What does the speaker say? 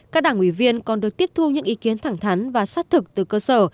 các đảng ủy viên còn được tiếp thu những ý kiến thẳng thắn và xác thực từ cơ sở